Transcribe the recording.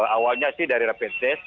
awalnya dari rapid test